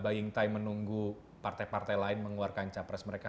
buying time menunggu partai partai lain mengeluarkan capres mereka